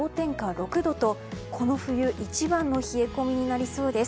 ６度とこの冬一番の冷え込みになりそうです。